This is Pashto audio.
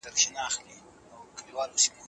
باد نن په ډېره نرمۍ سره لګېږي.